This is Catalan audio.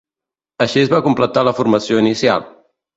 Així es va completar la formació inicial.